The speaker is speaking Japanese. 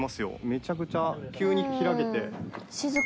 めちゃくちゃ急に開けて。